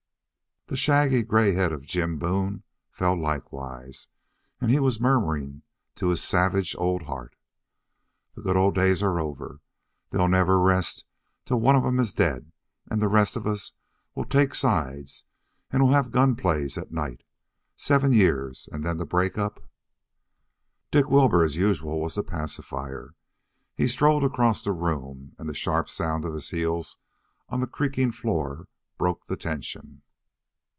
The shaggy gray head of Jim Boone fell likewise, and he was murmuring to his savage old heart: "The good days are over. They'll never rest till one of 'em is dead, and then the rest will take sides and we'll have gun plays at night. Seven years, and then to break up!" Dick Wilbur, as usual, was the pacifier. He strode across the room, and the sharp sound of his heels on the creaking floor broke the tension.